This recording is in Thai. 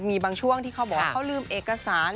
มีบางช่วงที่เขาบอกว่าเขาลืมเอกสาร